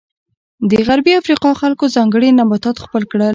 د غربي افریقا خلکو ځانګړي نباتات خپل کړل.